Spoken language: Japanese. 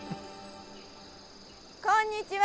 こんにちは！